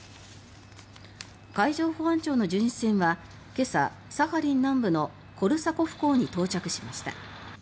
海上保安庁の巡視船は今朝サハリン南部のコルサコフ港に到着しました。